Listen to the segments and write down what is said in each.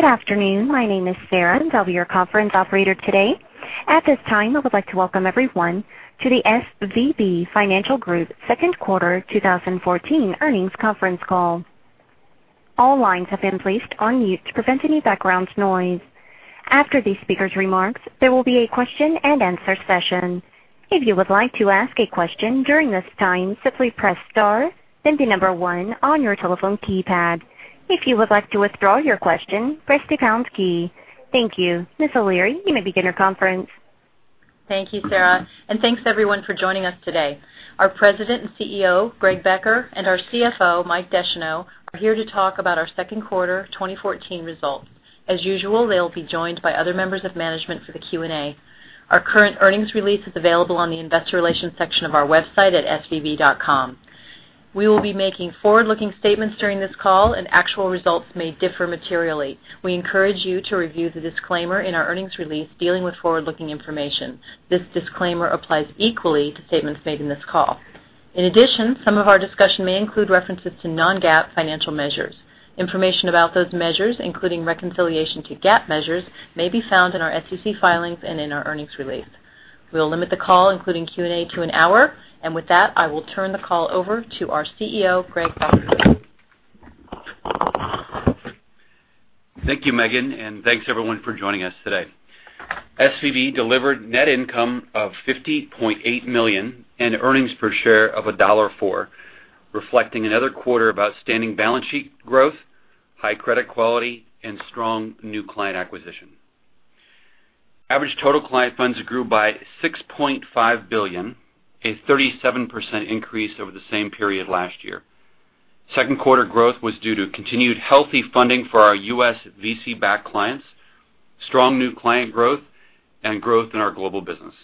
Good afternoon. My name is Sarah, and I'll be your conference operator today. At this time, I would like to welcome everyone to the SVB Financial Group second quarter 2014 earnings conference call. All lines have been placed on mute to prevent any background noise. After the speaker's remarks, there will be a question and answer session. If you would like to ask a question during this time, simply press star, then the number 1 on your telephone keypad. If you would like to withdraw your question, press the pound key. Thank you. Ms. O'Leary, you may begin your conference. Thank you, Sarah. Thanks everyone for joining us today. Our President and CEO, Greg Becker, and our CFO, Michael Descheneaux, are here to talk about our second quarter 2014 results. As usual, they'll be joined by other members of management for the Q&A. Our current earnings release is available on the investor relations section of our website at svb.com. We will be making forward-looking statements during this call and actual results may differ materially. We encourage you to review the disclaimer in our earnings release dealing with forward-looking information. This disclaimer applies equally to statements made in this call. In addition, some of our discussion may include references to non-GAAP financial measures. Information about those measures, including reconciliation to GAAP measures, may be found in our SEC filings and in our earnings release. We'll limit the call, including Q&A, to an hour. With that, I will turn the call over to our CEO, Greg Becker. Thank you, Meghan, and thanks everyone for joining us today. SVB delivered net income of $50.8 million and earnings per share of $1.4, reflecting another quarter of outstanding balance sheet growth, high credit quality, and strong new client acquisition. Average total client funds grew by $6.5 billion, a 37% increase over the same period last year. Second quarter growth was due to continued healthy funding for our U.S. VC-backed clients, strong new client growth, and growth in our global business.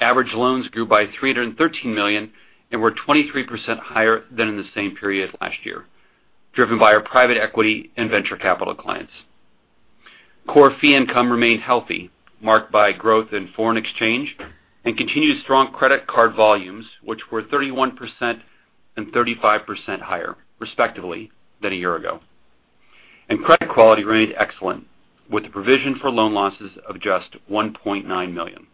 Average loans grew by $313 million and were 23% higher than in the same period last year, driven by our private equity and venture capital clients. Core fee income remained healthy, marked by growth in foreign exchange and continued strong credit card volumes, which were 31% and 35% higher, respectively, than a year ago. Credit quality remained excellent, with the provision for loan losses of just $1.9 million.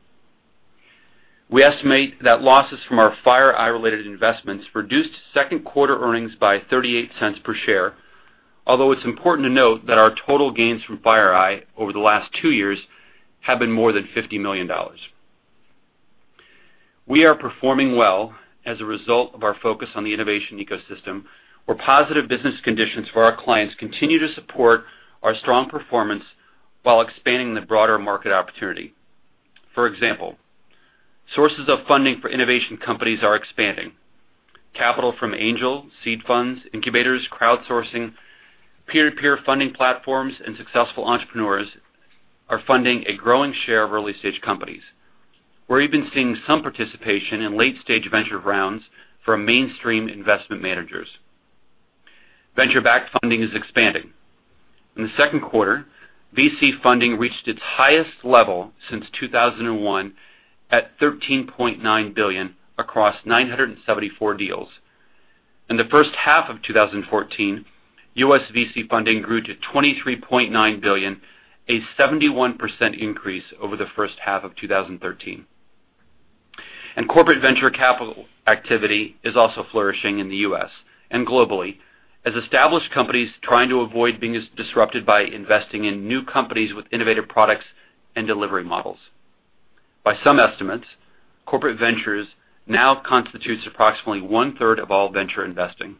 We estimate that losses from our FireEye-related investments reduced second-quarter earnings by $0.38 per share. Although it's important to note that our total gains from FireEye over the last two years have been more than $50 million. We are performing well as a result of our focus on the innovation ecosystem, where positive business conditions for our clients continue to support our strong performance while expanding the broader market opportunity. For example, sources of funding for innovation companies are expanding. Capital from angel, seed funds, incubators, crowdsourcing, peer-to-peer funding platforms, and successful entrepreneurs are funding a growing share of early-stage companies. We're even seeing some participation in late-stage venture rounds from mainstream investment managers. Venture-backed funding is expanding. In the second quarter, VC funding reached its highest level since 2001 at $13.9 billion across 974 deals. In the first half of 2014, U.S. VC funding grew to $23.9 billion, a 71% increase over the first half of 2013. Corporate venture capital activity is also flourishing in the U.S. and globally as established companies trying to avoid being disrupted by investing in new companies with innovative products and delivery models. By some estimates, corporate ventures now constitutes approximately one-third of all venture investing.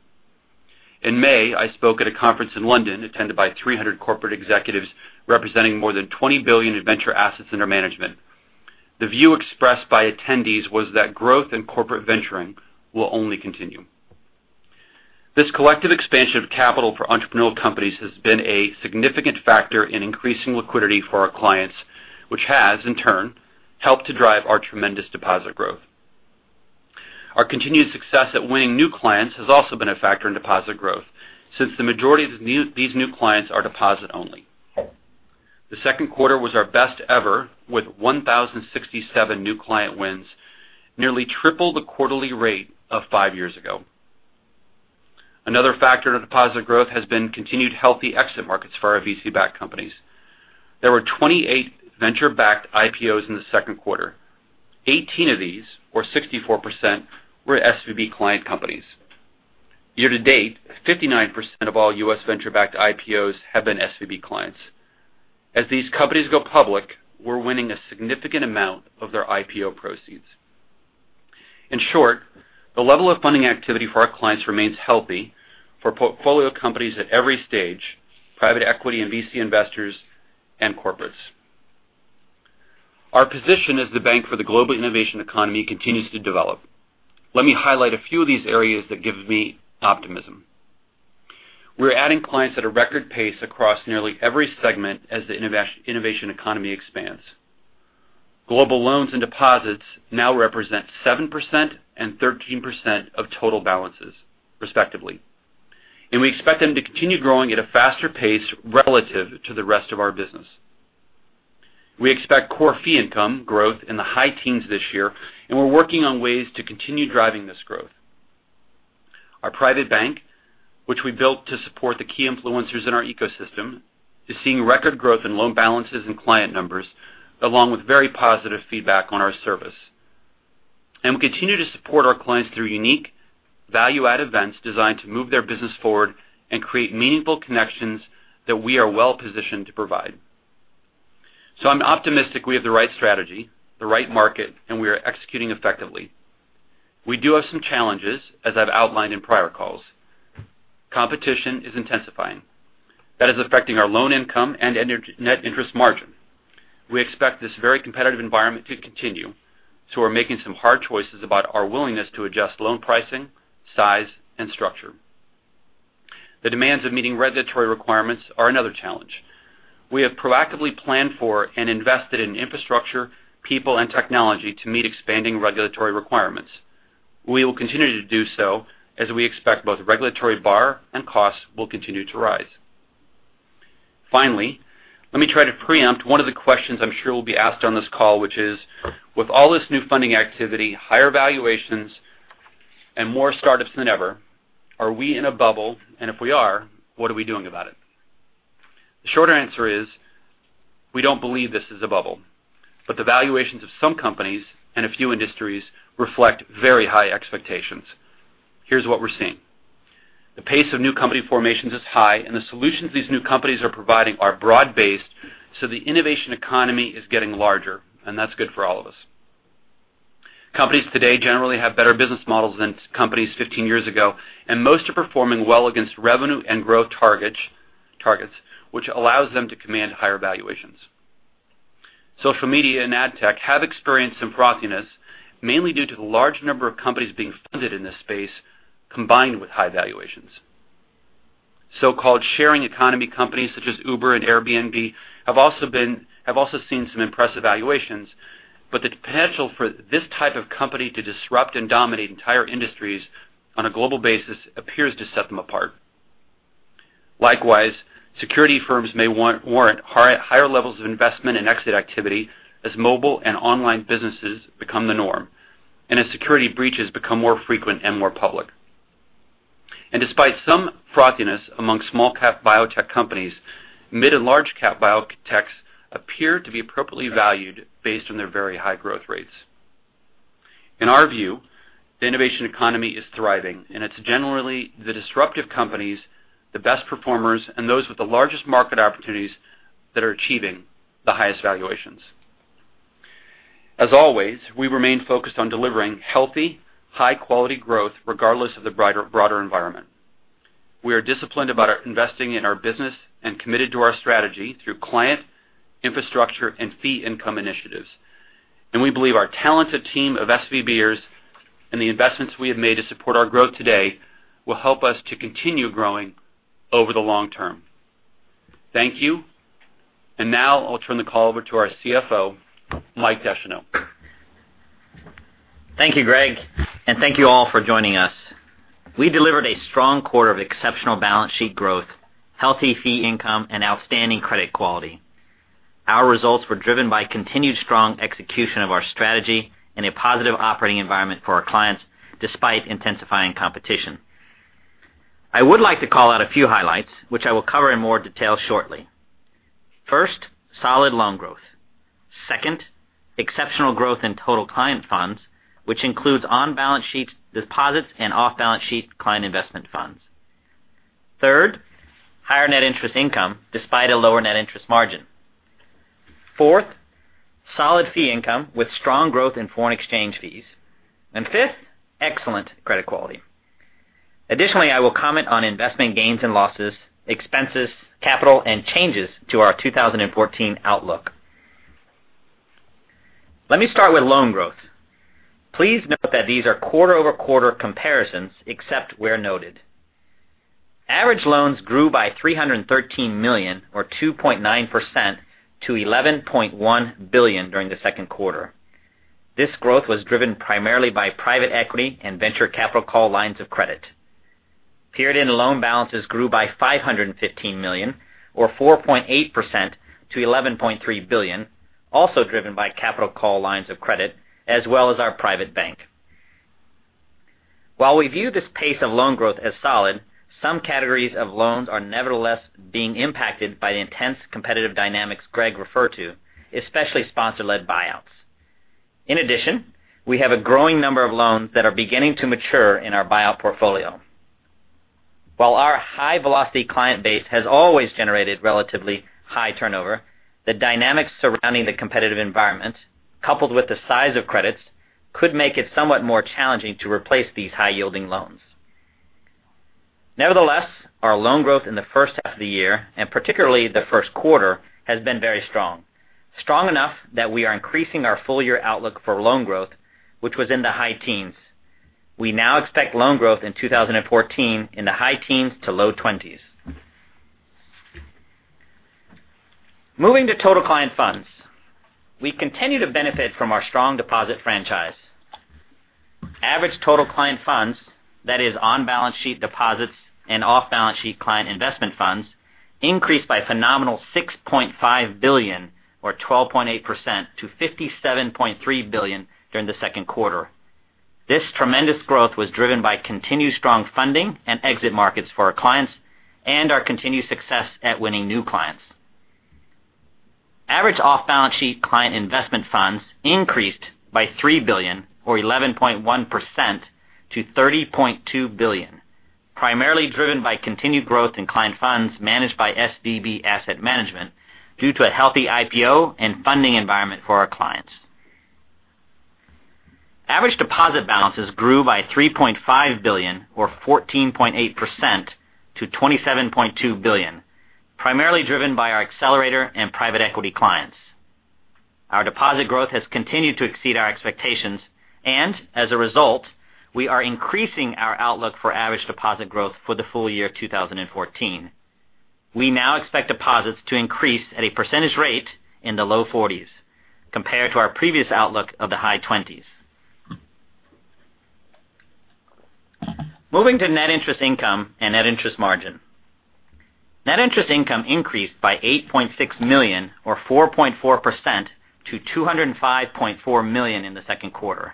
In May, I spoke at a conference in London attended by 300 corporate executives representing more than $20 billion in venture assets under management. The view expressed by attendees was that growth in corporate venturing will only continue. This collective expansion of capital for entrepreneurial companies has been a significant factor in increasing liquidity for our clients, which has, in turn, helped to drive our tremendous deposit growth. Our continued success at winning new clients has also been a factor in deposit growth, since the majority of these new clients are deposit-only. The second quarter was our best ever, with 1,067 new client wins, nearly triple the quarterly rate of five years ago. Another factor in deposit growth has been continued healthy exit markets for our VC-backed companies. There were 28 venture-backed IPOs in the second quarter. 18 of these, or 64%, were SVB client companies. Year to date, 59% of all U.S. venture-backed IPOs have been SVB clients. As these companies go public, we're winning a significant amount of their IPO proceeds. In short, the level of funding activity for our clients remains healthy for portfolio companies at every stage, private equity and VC investors, and corporates. Our position as the bank for the global innovation economy continues to develop. Let me highlight a few of these areas that give me optimism. We're adding clients at a record pace across nearly every segment as the innovation economy expands. Global loans and deposits now represent 7% and 13% of total balances, respectively. We expect them to continue growing at a faster pace relative to the rest of our business. We expect core fee income growth in the high teens this year, and we're working on ways to continue driving this growth. Our private bank, which we built to support the key influencers in our ecosystem, is seeing record growth in loan balances and client numbers, along with very positive feedback on our service. We continue to support our clients through unique value-add events designed to move their business forward and create meaningful connections that we are well-positioned to provide. I'm optimistic we have the right strategy, the right market, and we are executing effectively. We do have some challenges, as I've outlined in prior calls. Competition is intensifying. That is affecting our loan income and net interest margin. We expect this very competitive environment to continue, so we're making some hard choices about our willingness to adjust loan pricing, size, and structure. The demands of meeting regulatory requirements are another challenge. We have proactively planned for and invested in infrastructure, people, and technology to meet expanding regulatory requirements. We will continue to do so as we expect both regulatory bar and costs will continue to rise. Finally, let me try to preempt one of the questions I'm sure will be asked on this call, which is, with all this new funding activity, higher valuations, and more startups than ever, are we in a bubble? If we are, what are we doing about it? The short answer is we don't believe this is a bubble. The valuations of some companies and a few industries reflect very high expectations. Here's what we're seeing. The pace of new company formations is high, and the solutions these new companies are providing are broad-based, so the innovation economy is getting larger, and that's good for all of us. Companies today generally have better business models than companies 15 years ago, and most are performing well against revenue and growth targets, which allows them to command higher valuations. Social media and ad tech have experienced some frothiness, mainly due to the large number of companies being funded in this space, combined with high valuations. So-called sharing economy companies such as Uber and Airbnb have also seen some impressive valuations, but the potential for this type of company to disrupt and dominate entire industries on a global basis appears to set them apart. Likewise, security firms may warrant higher levels of investment and exit activity as mobile and online businesses become the norm and as security breaches become more frequent and more public. Despite some frothiness among small cap biotech companies, mid and large cap biotechs appear to be appropriately valued based on their very high growth rates. In our view, the innovation economy is thriving, and it's generally the disruptive companies, the best performers, and those with the largest market opportunities that are achieving the highest valuations. As always, we remain focused on delivering healthy, high-quality growth regardless of the broader environment. We are disciplined about investing in our business and committed to our strategy through client, infrastructure, and fee income initiatives. We believe our talented team of SVBers and the investments we have made to support our growth today will help us to continue growing over the long term. Thank you. Now I'll turn the call over to our CFO, Michael Descheneaux. Thank you, Greg, and thank you all for joining us. We delivered a strong quarter of exceptional balance sheet growth, healthy fee income, and outstanding credit quality. Our results were driven by continued strong execution of our strategy and a positive operating environment for our clients, despite intensifying competition. I would like to call out a few highlights, which I will cover in more detail shortly. First, solid loan growth. Second, exceptional growth in total client funds, which includes on-balance-sheet deposits and off-balance-sheet client investment funds. Third, higher net interest income despite a lower net interest margin. Fourth, solid fee income with strong growth in foreign exchange fees. Fifth, excellent credit quality. Additionally, I will comment on investment gains and losses, expenses, capital, and changes to our 2014 outlook. Let me start with loan growth. Please note that these are quarter-over-quarter comparisons except where noted. Average loans grew by $313 million or 2.9% to $11.1 billion during the second quarter. This growth was driven primarily by private equity and capital call lines of credit. Period-end loan balances grew by $515 million or 4.8% to $11.3 billion, also driven by capital call lines of credit as well as our private bank. While we view this pace of loan growth as solid, some categories of loans are nevertheless being impacted by the intense competitive dynamics Greg referred to, especially sponsor-led buyouts. In addition, we have a growing number of loans that are beginning to mature in our buyout portfolio. While our high-velocity client base has always generated relatively high turnover, the dynamics surrounding the competitive environment, coupled with the size of credits, could make it somewhat more challenging to replace these high-yielding loans. Nevertheless, our loan growth in the first half of the year, and particularly the first quarter, has been very strong. Strong enough that we are increasing our full-year outlook for loan growth, which was in the high teens. We now expect loan growth in 2014 in the high teens to low 20s. Moving to total client funds. We continue to benefit from our strong deposit franchise. Average total client funds, that is on-balance-sheet deposits and off-balance-sheet client investment funds, increased by a phenomenal $6.5 billion or 12.8% to $57.3 billion during the second quarter. This tremendous growth was driven by continued strong funding and exit markets for our clients and our continued success at winning new clients. Average off-balance-sheet client investment funds increased by $3 billion or 11.1% to $30.2 billion, primarily driven by continued growth in client funds managed by SVB Asset Management due to a healthy IPO and funding environment for our clients. Average deposit balances grew by $3.5 billion or 14.8% to $27.2 billion, primarily driven by our accelerator and private equity clients. Our deposit growth has continued to exceed our expectations, and as a result, we are increasing our outlook for average deposit growth for the full-year 2014. We now expect deposits to increase at a percentage rate in the low 40s compared to our previous outlook of the high 20s. Moving to net interest income and net interest margin. Net interest income increased by $8.6 million or 4.4% to $205.4 million in the second quarter,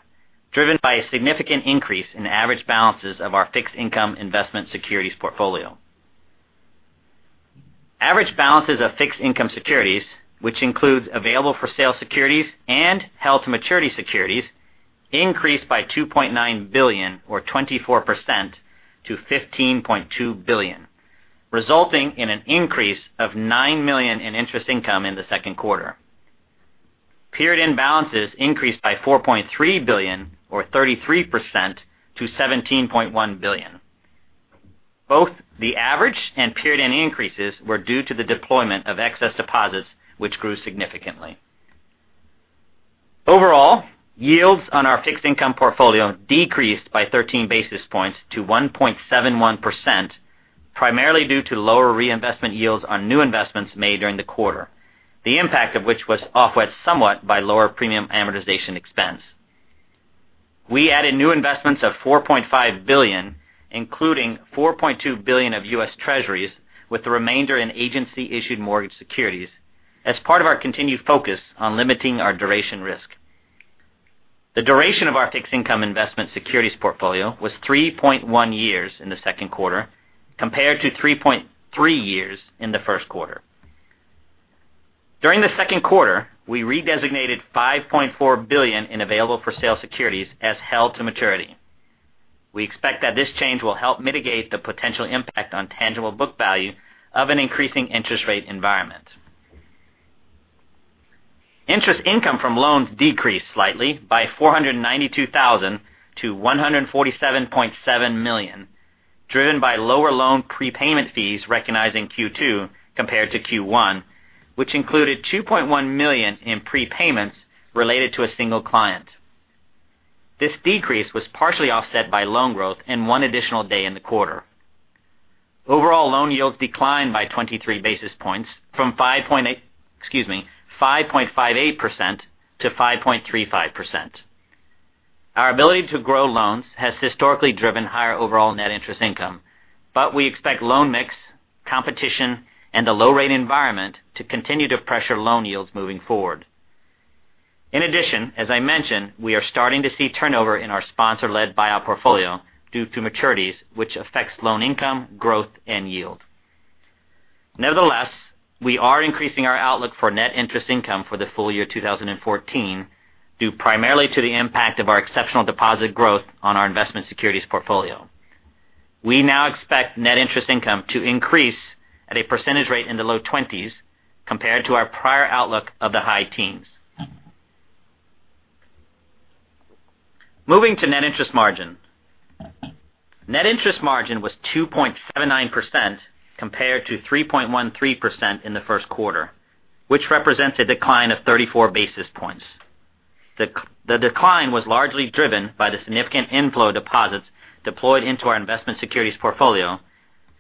driven by a significant increase in average balances of our fixed income investment securities portfolio. Average balances of fixed income securities, which includes available for sale securities and held to maturity securities, increased by $2.9 billion or 24% to $15.2 billion, resulting in an increase of $9 million in interest income in the second quarter. Period-end balances increased by $4.3 billion or 33% to $17.1 billion. Both the average and period-end increases were due to the deployment of excess deposits, which grew significantly. Overall, yields on our fixed income portfolio decreased by 13 basis points to 1.71%, primarily due to lower reinvestment yields on new investments made during the quarter, the impact of which was offset somewhat by lower premium amortization expense. We added new investments of $4.5 billion, including $4.2 billion of US Treasuries with the remainder in agency-issued mortgage securities as part of our continued focus on limiting our duration risk. The duration of our fixed income investment securities portfolio was 3.1 years in the second quarter, compared to 3.3 years in the first quarter. During the second quarter, we redesignated $5.4 billion in available for sale securities as held to maturity. We expect that this change will help mitigate the potential impact on tangible book value of an increasing interest rate environment. Interest income from loans decreased slightly by $492,000 to $147.7 million, driven by lower loan prepayment fees recognized in Q2 compared to Q1, which included $2.1 million in prepayments related to a single client. This decrease was partially offset by loan growth and one additional day in the quarter. Overall loan yields declined by 23 basis points from 5.58% to 5.35%. Our ability to grow loans has historically driven higher overall net interest income, we expect loan mix, competition, and the low rate environment to continue to pressure loan yields moving forward. In addition, as I mentioned, we are starting to see turnover in our sponsor-led buyout portfolio due to maturities which affects loan income, growth, and yield. Nevertheless, we are increasing our outlook for net interest income for the full year 2014 due primarily to the impact of our exceptional deposit growth on our investment securities portfolio. We now expect net interest income to increase at a percentage rate in the low 20s compared to our prior outlook of the high teens. Moving to net interest margin. Net interest margin was 2.79% compared to 3.13% in the first quarter, which represents a decline of 34 basis points. The decline was largely driven by the significant inflow deposits deployed into our investment securities portfolio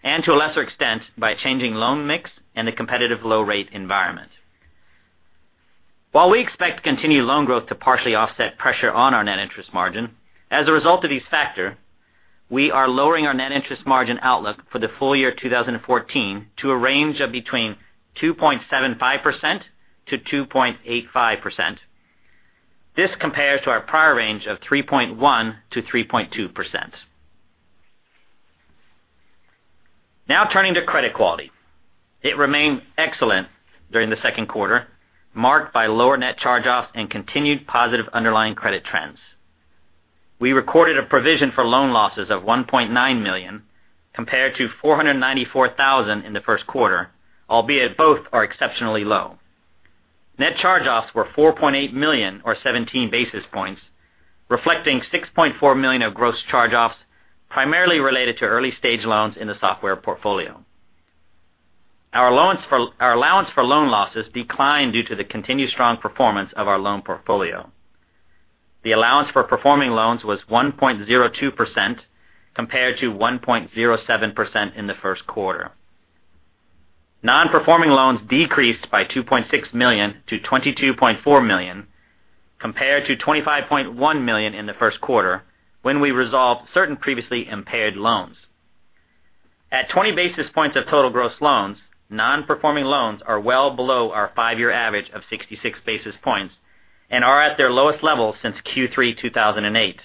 and to a lesser extent, by changing loan mix and the competitive low rate environment. While we expect continued loan growth to partially offset pressure on our net interest margin, as a result of these factors, we are lowering our net interest margin outlook for the full year 2014 to a range of between 2.75%-2.85%. This compares to our prior range of 3.1%-3.2%. Now turning to credit quality. It remained excellent during the second quarter, marked by lower net charge-offs and continued positive underlying credit trends. We recorded a provision for loan losses of $1.9 million compared to $494,000 in the first quarter, albeit both are exceptionally low. Net charge-offs were $4.8 million or 17 basis points, reflecting $6.4 million of gross charge-offs, primarily related to early-stage loans in the software portfolio. Our allowance for loan losses declined due to the continued strong performance of our loan portfolio. The allowance for performing loans was 1.02% compared to 1.07% in the first quarter. Nonperforming loans decreased by $2.6 million to $22.4 million, compared to $25.1 million in the first quarter, when we resolved certain previously impaired loans. At 20 basis points of total gross loans, non-performing loans are well below our five-year average of 66 basis points and are at their lowest level since Q3 2008.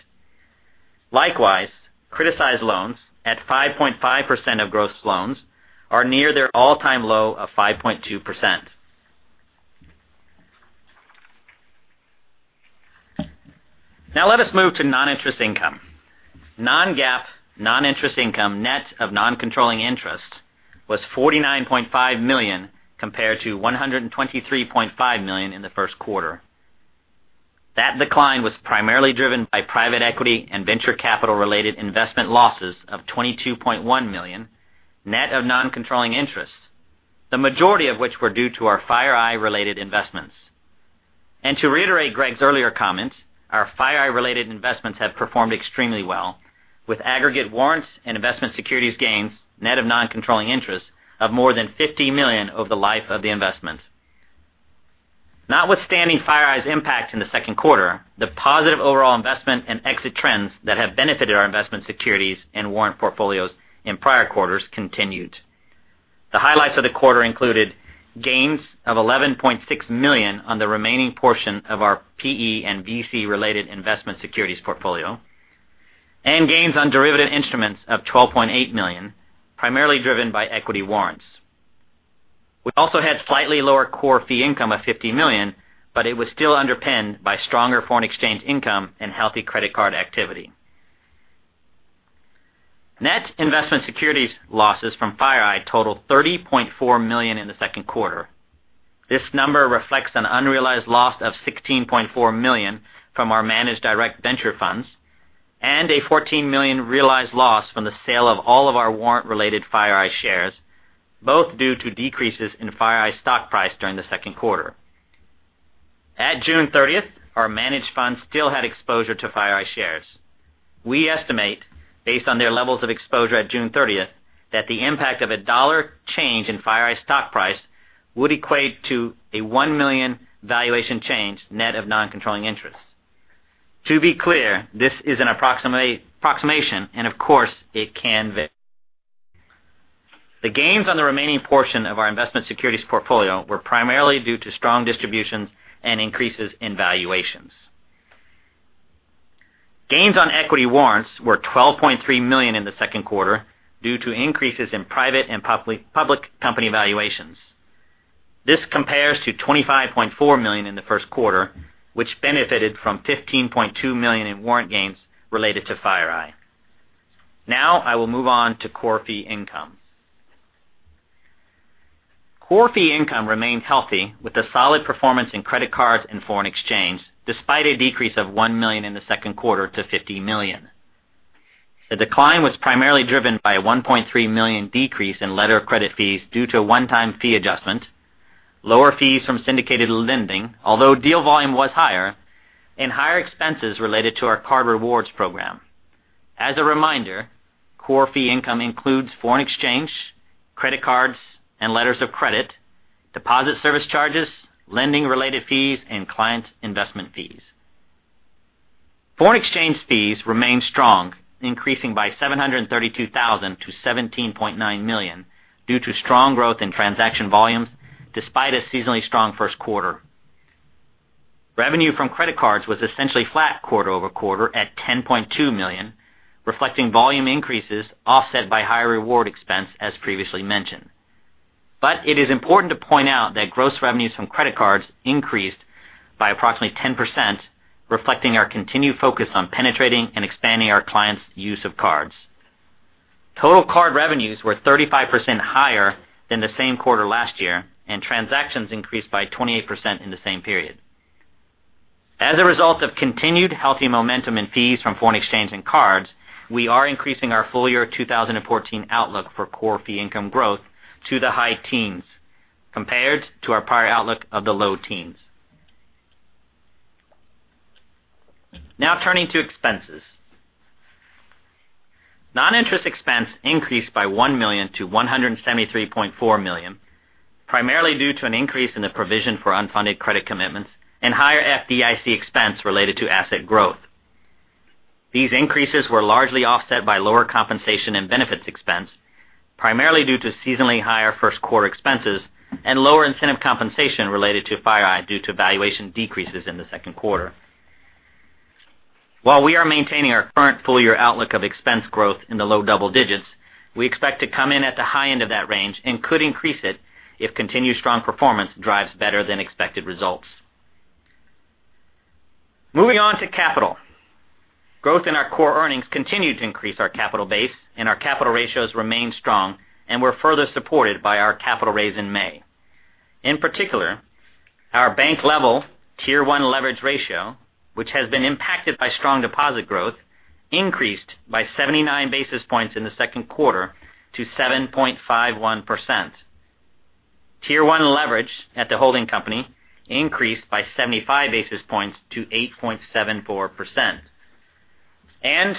Likewise, criticized loans at 5.5% of gross loans are near their all-time low of 5.2%. Let us move to non-interest income. Non-GAAP, non-interest income, net of non-controlling interest, was $49.5 million, compared to $123.5 million in the first quarter. That decline was primarily driven by private equity and venture capital-related investment losses of $22.1 million, net of non-controlling interests. The majority of which were due to our FireEye-related investments. To reiterate Greg's earlier comments, our FireEye-related investments have performed extremely well, with aggregate warrants and investment securities gains, net of non-controlling interests, of more than $50 million over the life of the investment. Notwithstanding FireEye's impact in the second quarter, the positive overall investment and exit trends that have benefited our investment securities and warrant portfolios in prior quarters continued. The highlights of the quarter included gains of $11.6 million on the remaining portion of our PE and VC-related investment securities portfolio, and gains on derivative instruments of $12.8 million, primarily driven by equity warrants. We also had slightly lower core fee income of $50 million, but it was still underpinned by stronger foreign exchange income and healthy credit card activity. Net investment securities losses from FireEye totaled $30.4 million in the second quarter. This number reflects an unrealized loss of $16.4 million from our managed direct venture funds, and a $14 million realized loss from the sale of all of our warrant-related FireEye shares, both due to decreases in FireEye stock price during the second quarter. At June 30th, our managed funds still had exposure to FireEye shares. We estimate, based on their levels of exposure at June 30th, that the impact of a dollar change in FireEye stock price would equate to a $1 million valuation change net of non-controlling interests. To be clear, this is an approximation, of course, it can vary. The gains on the remaining portion of our investment securities portfolio were primarily due to strong distributions and increases in valuations. Gains on equity warrants were $12.3 million in the second quarter due to increases in private and public company valuations. This compares to $25.4 million in the first quarter, which benefited from $15.2 million in warrant gains related to FireEye. I will move on to core fee income. Core fee income remains healthy with a solid performance in credit cards and foreign exchange, despite a decrease of $1 million in the second quarter to $50 million. The decline was primarily driven by a $1.3 million decrease in letter of credit fees due to a one-time fee adjustment, lower fees from syndicated lending, although deal volume was higher, and higher expenses related to our card rewards program. As a reminder, core fee income includes foreign exchange, credit cards, and letters of credit, deposit service charges, lending-related fees, and client investment fees. Foreign exchange fees remained strong, increasing by $732,000 to $17.9 million due to strong growth in transaction volumes, despite a seasonally strong first quarter. Revenue from credit cards was essentially flat quarter-over-quarter at $10.2 million, reflecting volume increases offset by higher reward expense, as previously mentioned. But it is important to point out that gross revenues from credit cards increased by approximately 10%, reflecting our continued focus on penetrating and expanding our clients' use of cards. Total card revenues were 35% higher than the same quarter last year, and transactions increased by 28% in the same period. As a result of continued healthy momentum in fees from foreign exchange and cards, we are increasing our full-year 2014 outlook for core fee income growth to the high teens, compared to our prior outlook of the low teens. Now turning to expenses. Non-interest expense increased by $1 million to $173.4 million, primarily due to an increase in the provision for unfunded credit commitments and higher FDIC expense related to asset growth. These increases were largely offset by lower compensation and benefits expense, primarily due to seasonally higher first-quarter expenses and lower incentive compensation related to FireEye due to valuation decreases in the second quarter. While we are maintaining our current full-year outlook of expense growth in the low double digits, we expect to come in at the high end of that range and could increase it if continued strong performance drives better than expected results. Moving on to capital. Growth in our core earnings continued to increase our capital base, and our capital ratios remained strong and were further supported by our capital raise in May. In particular, our bank-level Tier 1 leverage ratio, which has been impacted by strong deposit growth, increased by 79 basis points in the second quarter to 7.51%. Tier 1 leverage at the holding company increased by 75 basis points to 8.74%.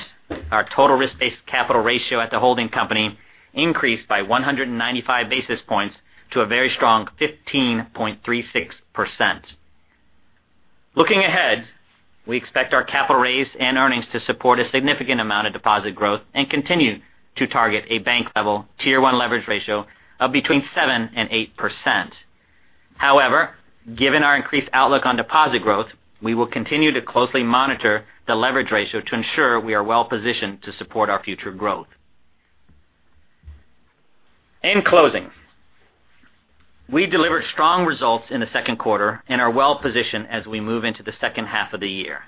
Our total risk-based capital ratio at the holding company increased by 195 basis points to a very strong 15.36%. Looking ahead, we expect our capital raise and earnings to support a significant amount of deposit growth and continue to target a bank-level Tier 1 leverage ratio of between 7% and 8%. However, given our increased outlook on deposit growth, we will continue to closely monitor the leverage ratio to ensure we are well-positioned to support our future growth. In closing, we delivered strong results in the second quarter and are well-positioned as we move into the second half of the year.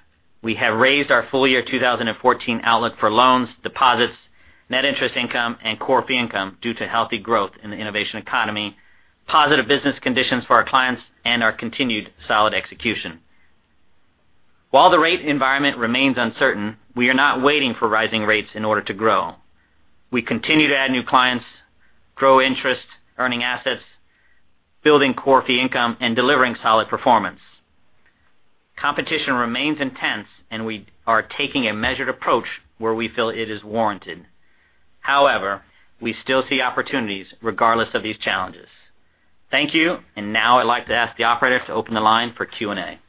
We have raised our full-year 2014 outlook for loans, deposits, net interest income, and core fee income due to healthy growth in the innovation economy, positive business conditions for our clients, and our continued solid execution. While the rate environment remains uncertain, we are not waiting for rising rates in order to grow. We continue to add new clients, grow interest, earning assets, building core fee income, and delivering solid performance. Competition remains intense, and we are taking a measured approach where we feel it is warranted. However, we still see opportunities regardless of these challenges. Thank you. Now I'd like to ask the operator to open the line for Q&A.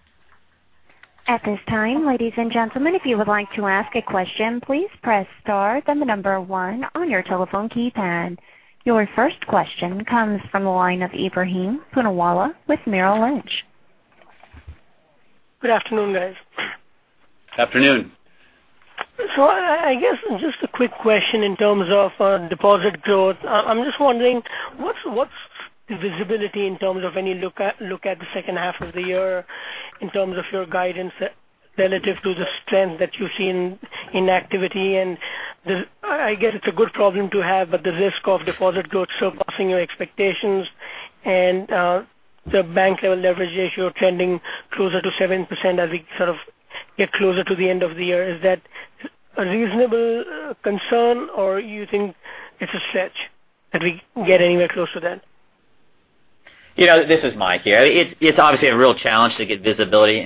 At this time, ladies and gentlemen, if you would like to ask a question, please press star then the number one on your telephone keypad. Your first question comes from the line of Ebrahim Poonawala with Merrill Lynch. Good afternoon, guys. Afternoon. I guess just a quick question in terms of deposit growth. I'm just wondering what's the visibility in terms of when you look at the second half of the year in terms of your guidance relative to the strength that you've seen in activity. I get it's a good problem to have, but the risk of deposit growth surpassing your expectations and the bank-level leverage ratio trending closer to 7% as we sort of get closer to the end of the year. Is that a reasonable concern, or you think it's a stretch that we can get anywhere close to that? This is Mike here. It's obviously a real challenge to get visibility.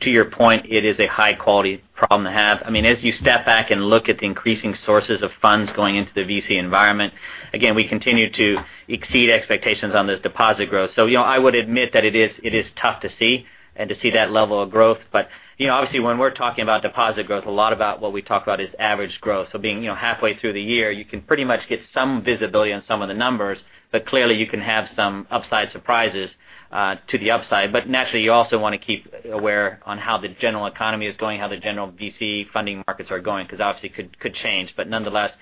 To your point, it is a high-quality problem to have. As you step back and look at the increasing sources of funds going into the VC environment, again, we continue to exceed expectations on this deposit growth. I would admit that it is tough to see that level of growth. Obviously, when we're talking about deposit growth, a lot about what we talk about is average growth. Being halfway through the year, you can pretty much get some visibility on some of the numbers, but clearly you can have some upside surprises to the upside. Naturally, you also want to keep aware on how the general economy is going, how the general VC funding markets are going because obviously it could change. Nonetheless,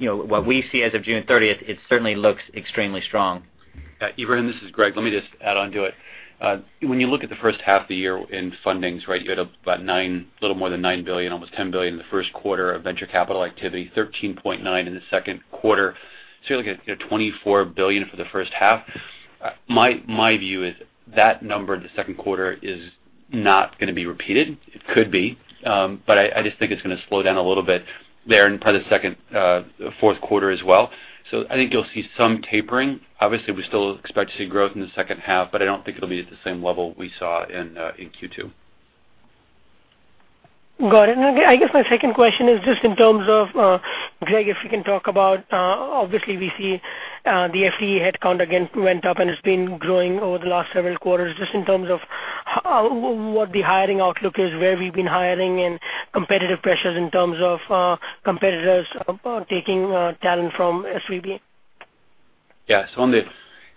what we see as of June 30th, it certainly looks extremely strong. Ebrahim, this is Greg. Let me just add on to it. When you look at the first half of the year in fundings, you had a little more than $9 billion, almost $10 billion in the first quarter of venture capital activity, $13.9 billion in the second quarter. You're looking at $24 billion for the first half. My view is that number in the second quarter is not going to be repeated. It could be, but I just think it's going to slow down a little bit there and probably the fourth quarter as well. I think you'll see some tapering. Obviously, we still expect to see growth in the second half, but I don't think it'll be at the same level we saw in Q2. Got it. I guess my second question is just in terms of, Greg, if you can talk about, obviously we see the FTE headcount again went up, and it's been growing over the last several quarters. Just in terms of what the hiring outlook is, where we've been hiring, and competitive pressures in terms of competitors taking talent from SVB. Yeah. On the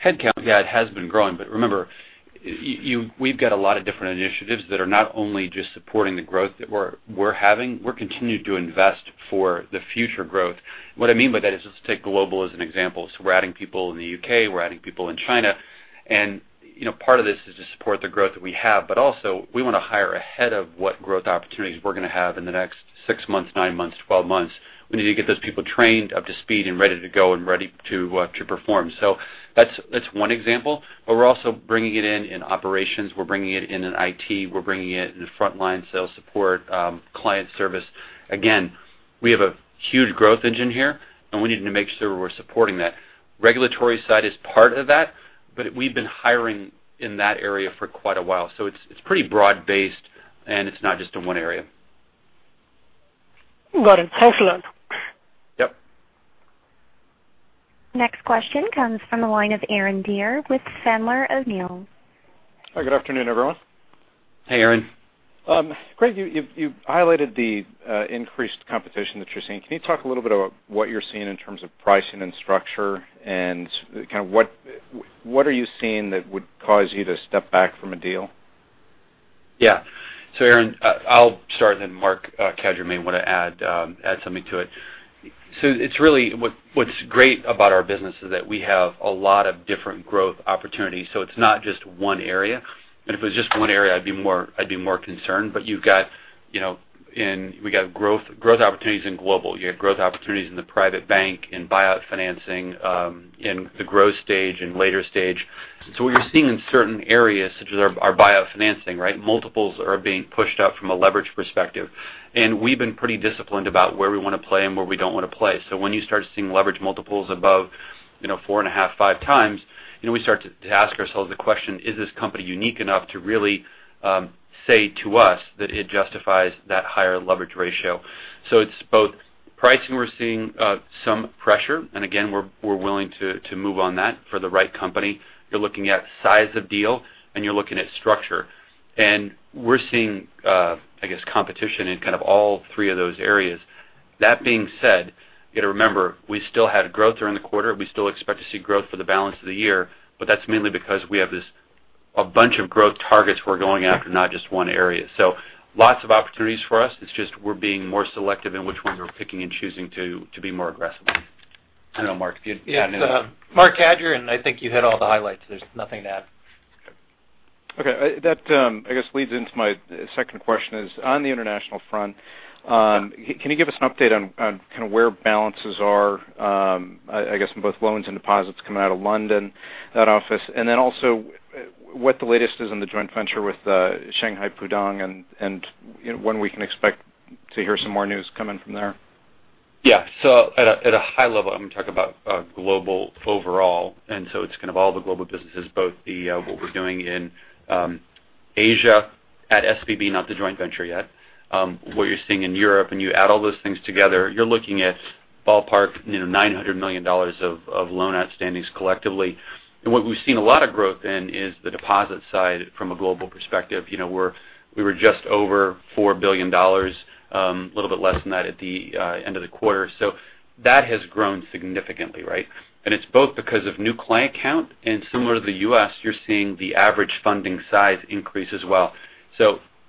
headcount, yeah, it has been growing. Remember, we've got a lot of different initiatives that are not only just supporting the growth that we're having, we're continuing to invest for the future growth. What I mean by that is just take global as an example. We're adding people in the U.K., we're adding people in China. Part of this is to support the growth that we have, but also we want to hire ahead of what growth opportunities we're going to have in the next six months, nine months, 12 months. We need to get those people trained, up to speed, and ready to go and ready to perform. That's one example, but we're also bringing it in in IT. We're bringing it in the frontline sales support, client service. Again, we have a huge growth engine here, and we need to make sure we're supporting that. Regulatory side is part of that, but we've been hiring in that area for quite a while. It's pretty broad-based, and it's not just in one area. Got it. Thanks a lot. Yep. Next question comes from the line of Aaron Dear with Fenwick & West. Hi, good afternoon, everyone. Hey, Aaron. Greg, you highlighted the increased competition that you're seeing. Can you talk a little bit about what you're seeing in terms of pricing and structure, what are you seeing that would cause you to step back from a deal? Yeah. Aaron, I'll start, then Marc Cadieux may want to add something to it. What's great about our business is that we have a lot of different growth opportunities. It's not just one area. If it was just one area, I'd be more concerned. We got growth opportunities in global. You have growth opportunities in the private bank, in buyout financing, in the growth stage and later stage. What you're seeing in certain areas, such as our buyout financing, multiples are being pushed up from a leverage perspective. We've been pretty disciplined about where we want to play and where we don't want to play. When you start seeing leverage multiples above four and a half, five times, we start to ask ourselves the question, is this company unique enough to really say to us that it justifies that higher leverage ratio? It's both pricing, we're seeing some pressure, again, we're willing to move on that for the right company. You're looking at size of deal, you're looking at structure. We're seeing, I guess, competition in kind of all three of those areas. That being said, you got to remember, we still had growth during the quarter. We still expect to see growth for the balance of the year, that's mainly because we have a bunch of growth targets we're going after, not just one area. Lots of opportunities for us. It's just we're being more selective in which ones we're picking and choosing to be more aggressive in. I don't know, Marc, if you'd add anything. Yeah. Marc Cadieux. I think you hit all the highlights. There's nothing to add. Okay. That, I guess, leads into my second question is, on the international front, can you give us an update on kind of where balances are, I guess, in both loans and deposits coming out of London, that office? Also, what the latest is on the joint venture with Shanghai Pudong and when we can expect to hear some more news coming from there. At a high level, I'm going to talk about global overall. It's kind of all the global businesses, both what we're doing in Asia at SVB, not the joint venture yet. What you're seeing in Europe, and you add all those things together, you're looking at ballpark $900 million of loan outstandings collectively. What we've seen a lot of growth in is the deposit side from a global perspective. We were just over $4 billion, a little bit less than that at the end of the quarter. That has grown significantly, right? It's both because of new client count, and similar to the U.S., you're seeing the average funding size increase as well.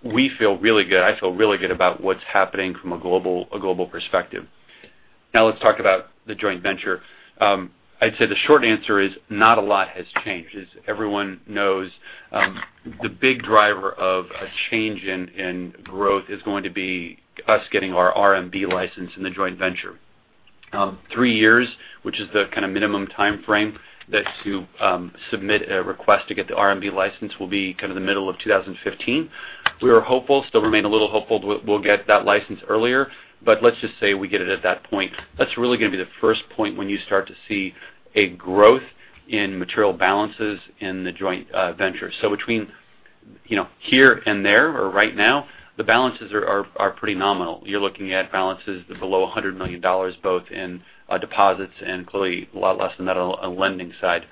We feel really good. I feel really good about what's happening from a global perspective. Now let's talk about the joint venture. I'd say the short answer is not a lot has changed. As everyone knows, the big driver of a change in growth is going to be us getting our RMB license in the joint venture. Three years, which is the kind of minimum timeframe to submit a request to get the RMB license, will be kind of the middle of 2015. We are hopeful, still remain a little hopeful we'll get that license earlier, but let's just say we get it at that point. That's really going to be the first point when you start to see a growth in material balances in the joint venture. Between here and there or right now, the balances are pretty nominal. You're looking at balances below $100 million, both in deposits and clearly a lot less than that on the lending side.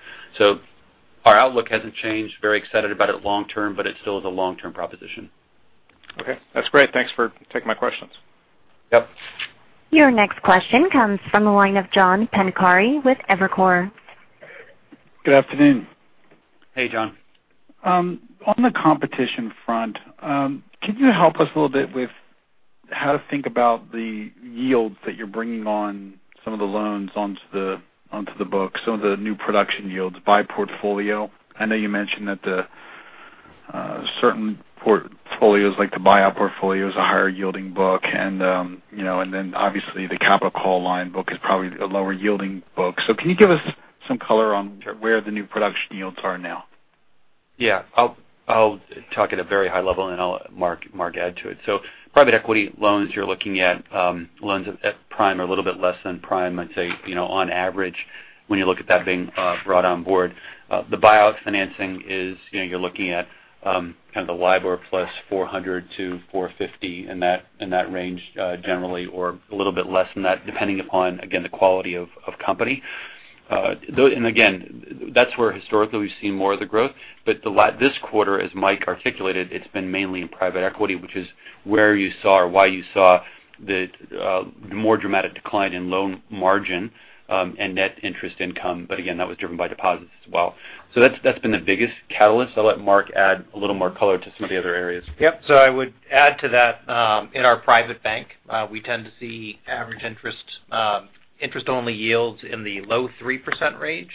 Our outlook hasn't changed, very excited about it long-term, but it still is a long-term proposition. Okay. That's great. Thanks for taking my questions. Yep. Your next question comes from the line of John Pancari with Evercore. Good afternoon. Hey, John. On the competition front, can you help us a little bit with how to think about the yields that you're bringing on some of the loans onto the books, some of the new production yields by portfolio? I know you mentioned that certain portfolios, like the buyout portfolio, is a higher yielding book, obviously the capital call line book is probably a lower yielding book. Can you give us some color on where the new production yields are now? Yeah. I'll talk at a very high level, Marc add to it. Private equity loans, you're looking at loans at prime or a little bit less than prime, I'd say, on average, when you look at that being brought on board. The buyout financing is you're looking at kind of the LIBOR plus 400 to 450, in that range generally, or a little bit less than that, depending upon, again, the quality of company. Again, that's where historically we've seen more of the growth. This quarter, as Mike articulated, it's been mainly in private equity, which is where you saw or why you saw the more dramatic decline in loan margin and net interest income. Again, that was driven by deposits as well. That's been the biggest catalyst. I'll let Marc add a little more color to some of the other areas. Yep. I would add to that, in our private bank, we tend to see average interest-only yields in the low 3% range.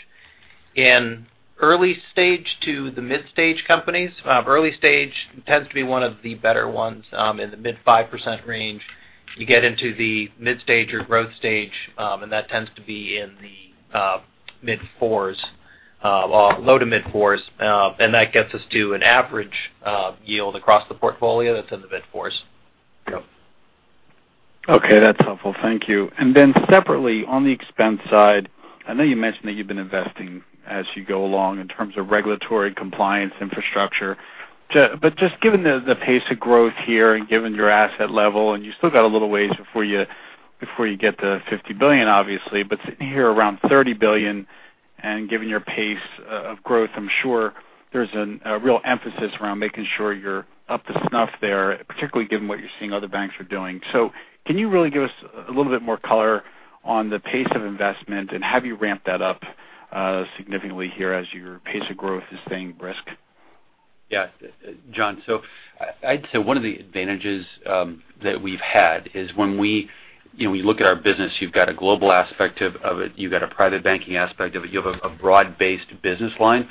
In early stage to the mid-stage companies, early stage tends to be one of the better ones in the mid 5% range. You get into the mid-stage or growth stage, and that tends to be in the mid fours, low to mid fours. That gets us to an average yield across the portfolio that's in the mid fours. Yep. Okay, that's helpful. Thank you. Separately, on the expense side, I know you mentioned that you've been investing as you go along in terms of regulatory compliance infrastructure. Just given the pace of growth here and given your asset level, and you still got a little ways before you get to $50 billion, obviously, but sitting here around $30 billion and given your pace of growth, I'm sure there's a real emphasis around making sure you're up to snuff there, particularly given what you're seeing other banks are doing. Can you really give us a little bit more color on the pace of investment, and have you ramped that up significantly here as your pace of growth is staying brisk? John, I'd say one of the advantages that we've had is when we look at our business, you've got a global aspect of it. You've got a private banking aspect of it. You have a broad-based business line.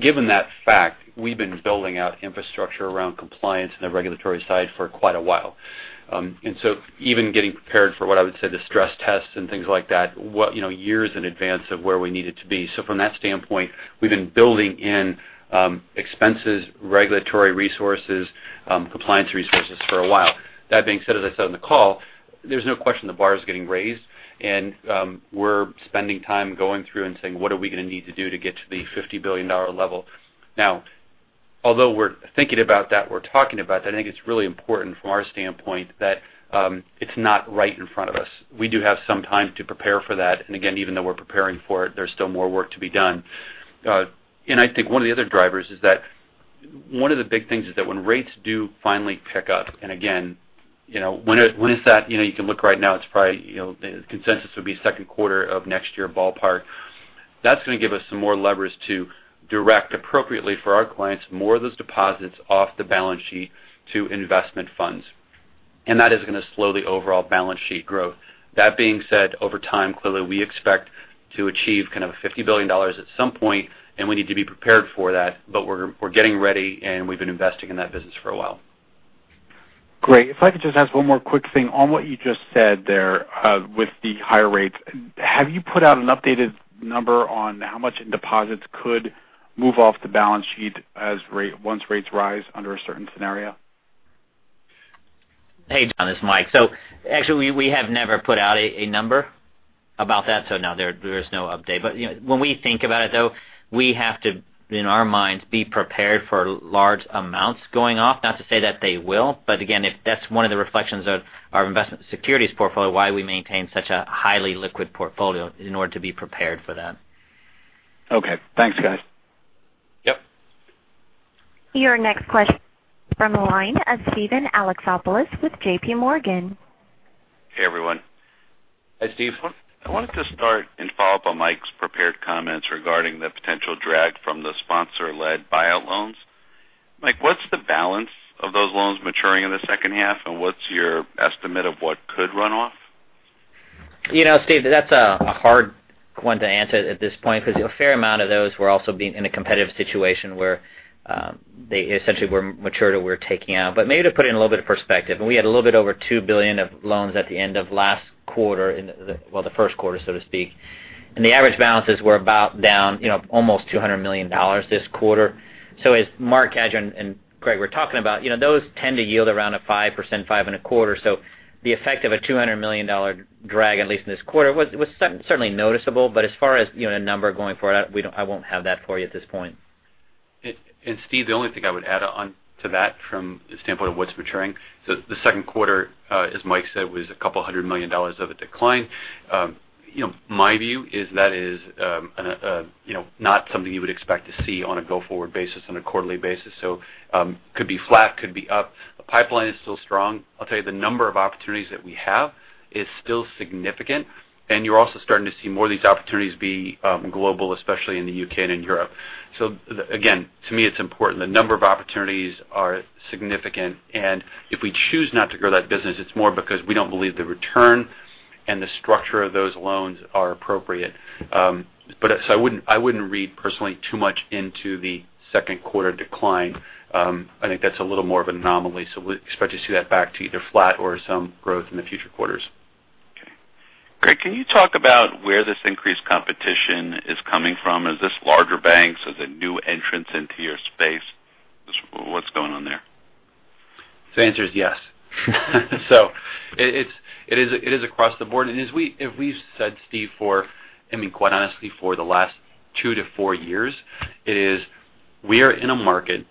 Given that fact, we've been building out infrastructure around compliance and the regulatory side for quite a while. Even getting prepared for what I would say the stress tests and things like that, years in advance of where we needed to be. From that standpoint, we've been building in expenses, regulatory resources, compliance resources for a while. That being said, as I said on the call, there's no question the bar is getting raised, and we're spending time going through and saying, "What are we going to need to do to get to the $50 billion level?" Although we're thinking about that, we're talking about that, I think it's really important from our standpoint that it's not right in front of us. We do have some time to prepare for that. Again, even though we're preparing for it, there's still more work to be done. I think one of the other drivers is that one of the big things is that when rates do finally pick up, and again, when is that? You can look right now, the consensus would be second quarter of next year, ballpark. That's going to give us some more leverage to direct appropriately for our clients, more of those deposits off the balance sheet to investment funds. That is going to slow the overall balance sheet growth. That being said, over time, clearly, we expect to achieve kind of $50 billion at some point, and we need to be prepared for that. We're getting ready, and we've been investing in that business for a while. Great. If I could just ask one more quick thing on what you just said there, with the higher rates. Have you put out an updated number on how much in deposits could move off the balance sheet once rates rise under a certain scenario? Hey, John, it's Mike. Actually, we have never put out a number about that. No, there is no update. When we think about it, though, we have to, in our minds, be prepared for large amounts going off. Not to say that they will, but again, that's one of the reflections of our investment securities portfolio, why we maintain such a highly liquid portfolio in order to be prepared for that. Okay. Thanks, guys. Yep. Your next question comes from the line of Steven Alexopoulos with JPMorgan. Hey, everyone. Hi, Steve. I wanted to start and follow up on Mike's prepared comments regarding the potential drag from the sponsor-led buyout loans. Mike, what's the balance of those loans maturing in the second half, and what's your estimate of what could run off? Steven, that's a hard one to answer at this point because a fair amount of those were also being in a competitive situation where they essentially were mature to where we're taking out. Maybe to put it in a little bit of perspective, we had a little bit over $2 billion of loans at the end of last quarter, well, the first quarter, so to speak. The average balances were about down almost $200 million this quarter. So as Marc Cadieux and Greg were talking about, those tend to yield around a 5%, five and a quarter. The effect of a $200 million drag, at least in this quarter, was certainly noticeable. As far as a number going forward, I won't have that for you at this point. Steven, the only thing I would add on to that from the standpoint of what's maturing. The second quarter, as Mike said, was $200 million of a decline. My view is that is not something you would expect to see on a go-forward basis, on a quarterly basis. Could be flat, could be up. The pipeline is still strong. I'll tell you, the number of opportunities that we have is still significant. You're also starting to see more of these opportunities be global, especially in the U.K. and in Europe. Again, to me it's important. The number of opportunities are significant, and if we choose not to grow that business, it's more because we don't believe the return and the structure of those loans are appropriate. I wouldn't read personally too much into the second quarter decline. I think that's a little more of an anomaly. We expect to see that back to either flat or some growth in the future quarters. Okay. Greg, can you talk about where this increased competition is coming from? Is this larger banks? Is it new entrants into your space? What's going on there? The answer is yes. It is across the board. As we've said, Steven, for, quite honestly, for the last two to four years, it's we are in a market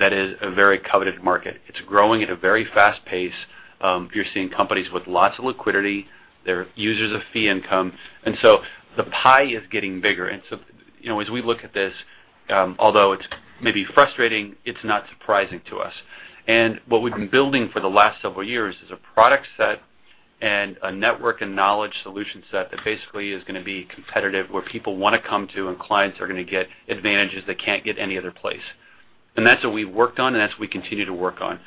that is a very coveted market. It's growing at a very fast pace. You're seeing companies with lots of liquidity. They're users of fee income. The pie is getting bigger. As we look at this, although it's maybe frustrating, it's not surprising to us. What we've been building for the last several years is a product set and a network and knowledge solution set that basically is going to be competitive, where people want to come to and clients are going to get advantages they can't get any other place. That's what we've worked on, and that's what we continue to work on.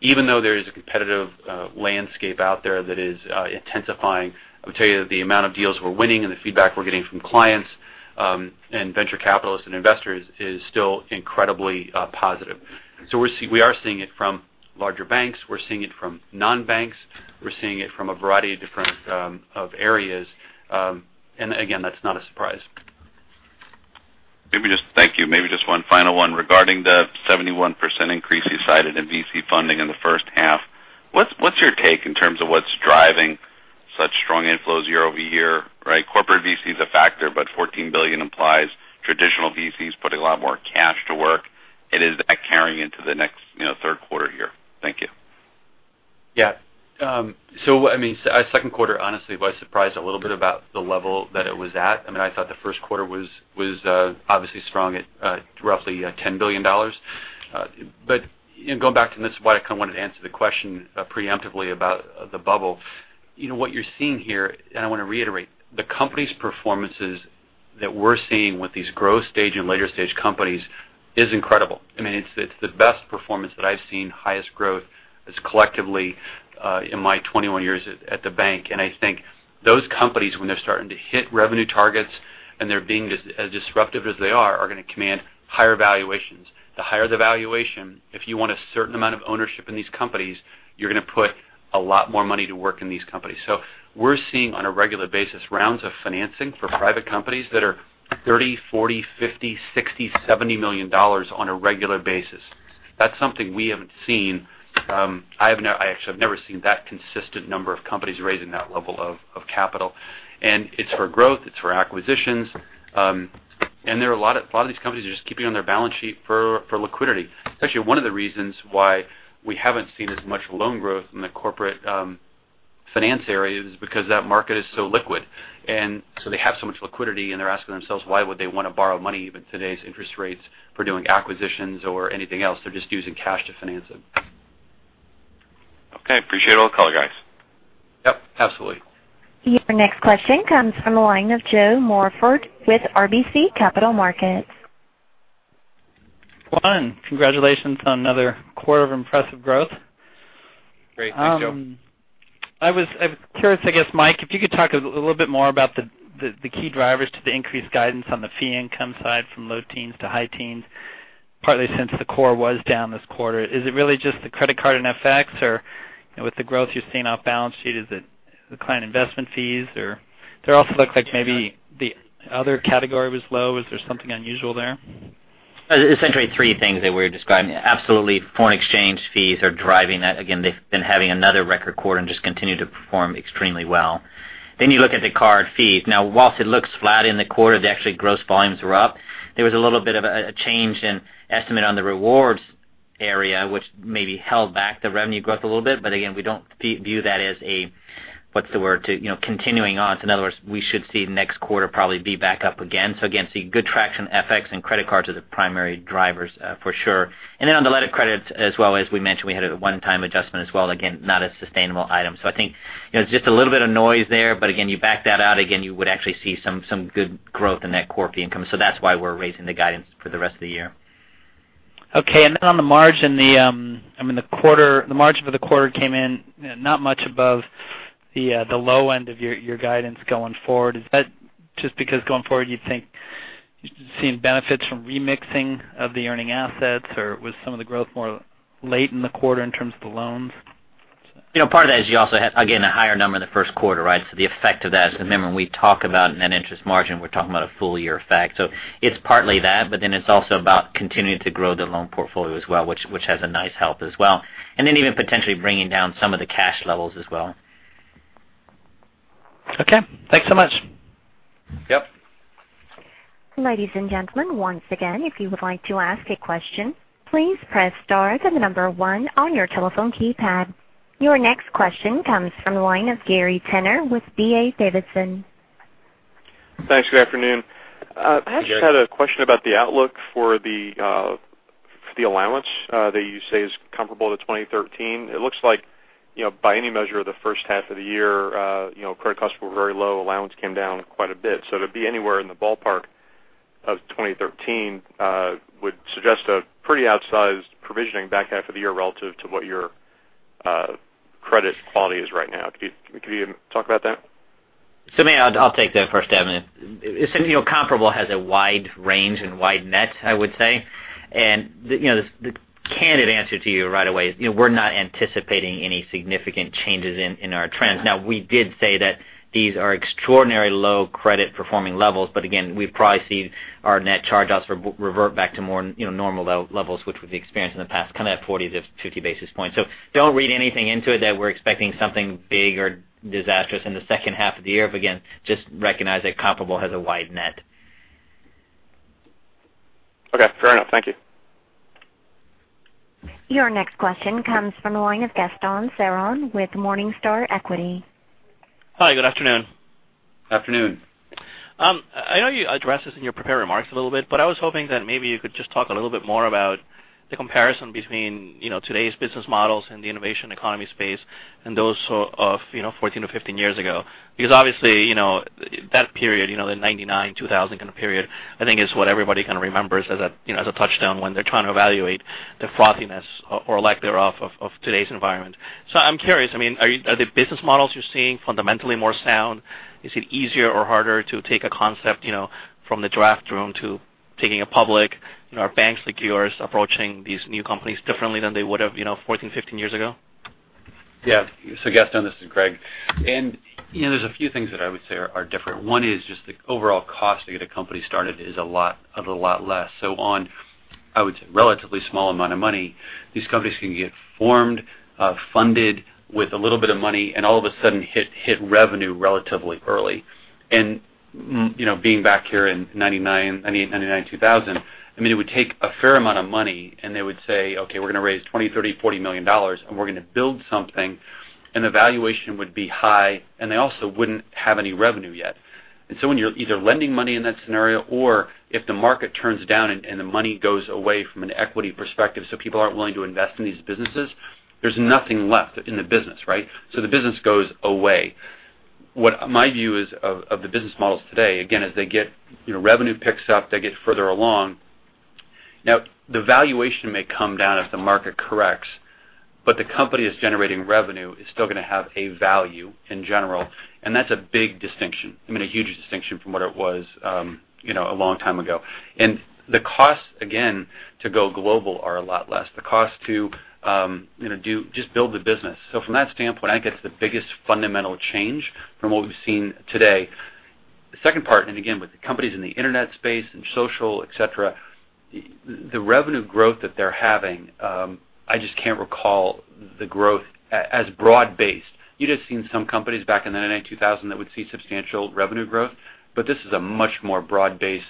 Even though there is a competitive landscape out there that is intensifying, I will tell you that the amount of deals we're winning and the feedback we're getting from clients and venture capitalists and investors is still incredibly positive. We are seeing it from larger banks. We're seeing it from non-banks. We're seeing it from a variety of different areas. Again, that's not a surprise. Thank you. Maybe just one final one. Regarding the 71% increase you cited in VC funding in the first half, what's your take in terms of what's driving such strong inflows year-over-year? Corporate VC is a factor, but $14 billion implies traditional VCs putting a lot more cash to work. Is that carrying into the next third quarter here? Thank you. Yeah. Second quarter, honestly, was surprised a little bit about the level that it was at. I thought the first quarter was obviously strong at roughly $10 billion. Going back to this, why I kind of wanted to answer the question preemptively about the bubble. What you're seeing here, and I want to reiterate, the company's performances that we're seeing with these growth stage and later stage companies is incredible. It's the best performance that I've seen, highest growth, as collectively in my 21 years at the bank. I think those companies, when they're starting to hit revenue targets and they're being as disruptive as they are going to command higher valuations. The higher the valuation, if you want a certain amount of ownership in these companies, you're going to put a lot more money to work in these companies. We're seeing on a regular basis rounds of financing for private companies that are $30, $40, $50, $60, $70 million on a regular basis. That's something we haven't seen. I actually have never seen that consistent number of companies raising that level of capital. It's for growth, it's for acquisitions. There are a lot of these companies are just keeping on their balance sheet for liquidity. It's actually one of the reasons why we haven't seen as much loan growth in the corporate finance area is because that market is so liquid. They have so much liquidity and they're asking themselves why would they want to borrow money, even today's interest rates for doing acquisitions or anything else. They're just using cash to finance it. Okay. Appreciate it. I'll call you guys. Yep, absolutely. Your next question comes from the line of Joe Morford with RBC Capital Markets. Congratulations on another quarter of impressive growth. Great. Thanks, Joe. I was curious, I guess, Mike, if you could talk a little bit more about the key drivers to the increased guidance on the fee income side from low teens to high teens, partly since the core was down this quarter. Is it really just the credit card and FX, or with the growth you're seeing off balance sheet, is it the client investment fees? Or it also looks like maybe the other category was low. Is there something unusual there? It's essentially three things that we're describing. Absolutely, foreign exchange fees are driving that. Again, they've been having another record quarter and just continue to perform extremely well. You look at the card fees. Now, whilst it looks flat in the quarter, the actually gross volumes were up. There was a little bit of a change in estimate on the rewards area, which maybe held back the revenue growth a little bit. Again, we don't view that as a, what's the word, continuing on. In other words, we should see next quarter probably be back up again. Again, see good traction, FX and credit cards are the primary drivers for sure. On the letter credits as well, as we mentioned, we had a one-time adjustment as well. Again, not a sustainable item. I think, it's just a little bit of noise there, but again, you back that out, again, you would actually see some good growth in that core fee income. That's why we're raising the guidance for the rest of the year. Okay. On the margin, the margin for the quarter came in not much above the low end of your guidance going forward. Is that just because going forward, you'd think you've seen benefits from remixing of the earning assets, or was some of the growth more late in the quarter in terms of the loans? Part of that is you also have, again, a higher number in the first quarter, right? The effect of that, because remember, when we talk about net interest margin, we're talking about a full year effect. It's partly that, but then it's also about continuing to grow the loan portfolio as well, which has a nice help as well. Even potentially bringing down some of the cash levels as well. Okay. Thanks so much. Yep. Ladies and gentlemen, once again, if you would like to ask a question, please press star, then the number 1 on your telephone keypad. Your next question comes from the line of Gary Tenner with D.A. Davidson. Thanks. Good afternoon. Yes. I just had a question about the outlook for the allowance that you say is comparable to 2013. It looks like, by any measure of the first half of the year, credit costs were very low. Allowance came down quite a bit. To be anywhere in the ballpark of 2013 would suggest a pretty outsized provisioning back half of the year relative to what your credit quality is right now. Could you talk about that? Maybe I'll take that first, Tenner. Comparable has a wide range and wide net, I would say. The candid answer to you right away is, we're not anticipating any significant changes in our trends. We did say that these are extraordinarily low credit performing levels, again, we probably see our net charge-offs revert back to more normal levels, which was experienced in the past, kind of at 40-50 basis points. Don't read anything into it that we're expecting something big or disastrous in the second half of the year. Again, just recognize that comparable has a wide net. Okay. Fair enough. Thank you. Your next question comes from the line of Gaston Ceron with Morningstar Equity. Hi, good afternoon. Afternoon. I know you addressed this in your prepared remarks a little bit, but I was hoping that maybe you could just talk a little bit more about the comparison between today's business models in the innovation economy space and those of 14 or 15 years ago. Because obviously, that period, the 1999, 2000 kind of period, I think is what everybody kind of remembers as a touchstone when they're trying to evaluate the frothiness or lack thereof of today's environment. I'm curious, are the business models you're seeing fundamentally more sound? Is it easier or harder to take a concept from the draft room to taking it public? Are banks like yours approaching these new companies differently than they would have 14, 15 years ago? Yeah. Gaston, this is Greg. There's a few things that I would say are different. One is just the overall cost to get a company started is a lot less. On, I would say, relatively small amount of money, these companies can get formed, funded with a little bit of money, and all of a sudden hit revenue relatively early. Being back here in 1999, 2000, it would take a fair amount of money, and they would say, "Okay, we're going to raise $20, $30, $40 million, and we're going to build something," and the valuation would be high, and they also wouldn't have any revenue yet. When you're either lending money in that scenario or if the market turns down and the money goes away from an equity perspective, so people aren't willing to invest in these businesses, there's nothing left in the business, right? The business goes away. What my view is of the business models today, again, as revenue picks up, they get further along. Now, the valuation may come down if the market corrects, but the company that's generating revenue is still going to have a value in general, and that's a big distinction. I mean, a huge distinction from what it was a long time ago. The costs, again, to go global are a lot less. The cost to just build the business. From that standpoint, I think that's the biggest fundamental change from what we've seen today. The second part, again, with the companies in the internet space and social, et cetera, the revenue growth that they're having, I just can't recall the growth as broad-based. You'd have seen some companies back in the 1999, 2000 that would see substantial revenue growth, but this is a much more broad-based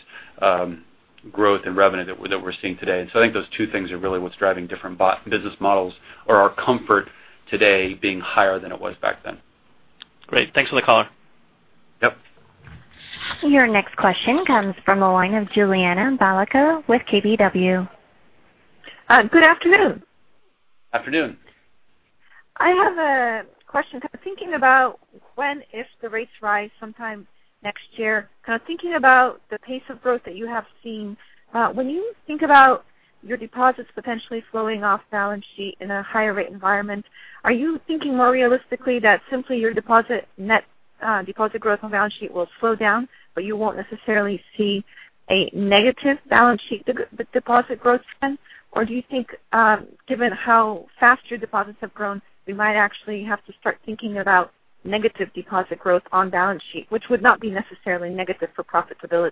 growth in revenue that we're seeing today. I think those two things are really what's driving different business models or our comfort today being higher than it was back then. Great. Thanks for the color. Yep. Your next question comes from the line of Juliana Balicka with KBW. Good afternoon. Afternoon. I have a question. Kind of thinking about when, if the rates rise sometime next year. Kind of thinking about the pace of growth that you have seen. When you think about your deposits potentially flowing off balance sheet in a higher rate environment, are you thinking more realistically that simply your net deposit growth on balance sheet will slow down, but you won't necessarily see a negative balance sheet deposit growth trend? Or do you think, given how fast your deposits have grown, we might actually have to start thinking about negative deposit growth on balance sheet, which would not be necessarily negative for profitability?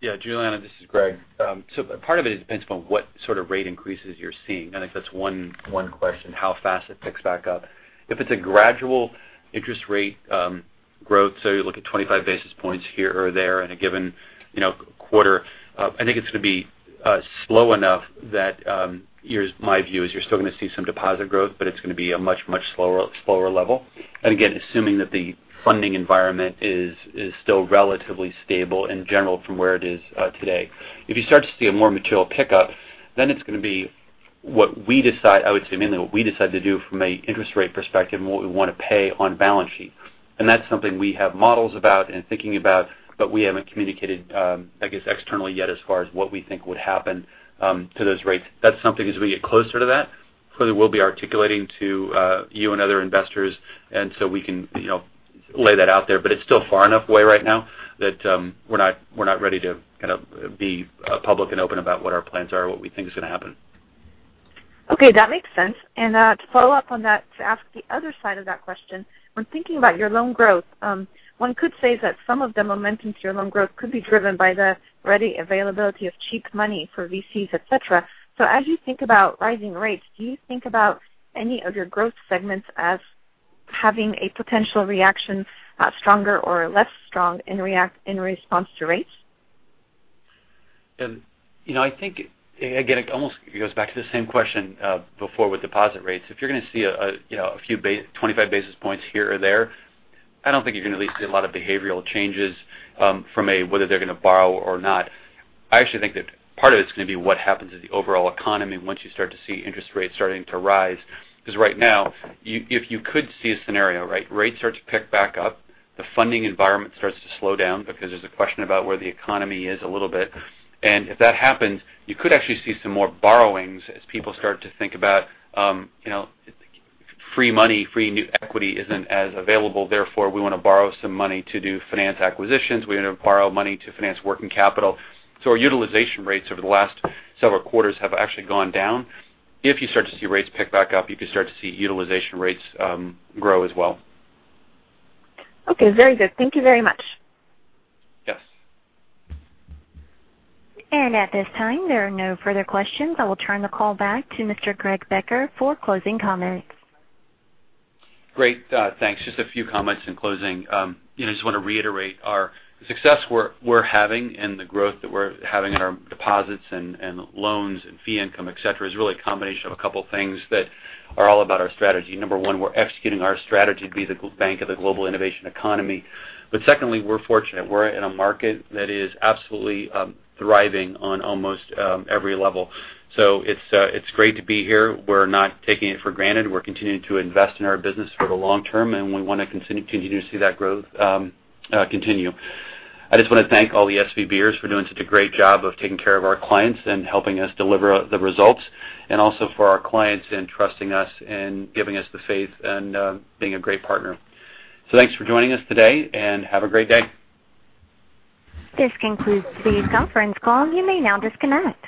Yeah, Juliana, this is Greg. Part of it depends upon what sort of rate increases you're seeing. I think that's one question, how fast it picks back up. If it's a gradual interest rate growth, you look at 25 basis points here or there in a given quarter, I think it's going to be slow enough that my view is you're still going to see some deposit growth, but it's going to be a much, much slower level. Again, assuming that the funding environment is still relatively stable in general from where it is today. If you start to see a more material pickup, it's going to be what we decide, I would submit, what we decide to do from an interest rate perspective and what we want to pay on balance sheet. That's something we have models about and thinking about, but we haven't communicated, I guess, externally yet as far as what we think would happen to those rates. That's something as we get closer to that, clearly we'll be articulating to you and other investors, and so we can lay that out there, but it's still far enough away right now that we're not ready to be public and open about what our plans are, what we think is going to happen. Okay. That makes sense. To follow up on that, to ask the other side of that question, when thinking about your loan growth, one could say that some of the momentum to your loan growth could be driven by the ready availability of cheap money for VCs, et cetera. As you think about rising rates, do you think about any of your growth segments as having a potential reaction, stronger or less strong in response to rates? I think, again, it almost goes back to the same question before with deposit rates. If you're going to see a few 25 basis points here or there, I don't think you're going to at least see a lot of behavioral changes from a whether they're going to borrow or not. I actually think that part of it's going to be what happens to the overall economy once you start to see interest rates starting to rise. Right now, if you could see a scenario, right? Rates start to pick back up. The funding environment starts to slow down because there's a question about where the economy is a little bit. If that happens, you could actually see some more borrowings as people start to think about free money, free new equity isn't as available, therefore we want to borrow some money to do finance acquisitions. We want to borrow money to finance working capital. Our utilization rates over the last several quarters have actually gone down. If you start to see rates pick back up, you could start to see utilization rates grow as well. Okay, very good. Thank you very much. Yes. At this time, there are no further questions. I will turn the call back to Mr. Greg Becker for closing comments. Great. Thanks. Just a few comments in closing. I just want to reiterate our success we're having and the growth that we're having in our deposits and loans and fee income, et cetera, is really a combination of a couple things that are all about our strategy. Number one, we're executing our strategy to be the bank of the global innovation economy. Secondly, we're fortunate. We're in a market that is absolutely thriving on almost every level. It's great to be here. We're not taking it for granted. We're continuing to invest in our business for the long term, and we want to continue to see that growth continue. I just want to thank all the SVBers for doing such a great job of taking care of our clients and helping us deliver the results, and also for our clients in trusting us and giving us the faith and being a great partner. Thanks for joining us today, and have a great day. This concludes today's conference call. You may now disconnect.